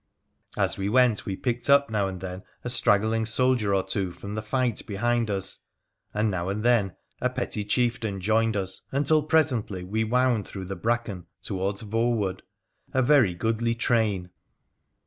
As we went we picked up now and then a stragglir soldier or two from the fight behind us, and now and then petty chieftain joined us, until presently we wound throug the bracken towards Voewood, a very goodly train.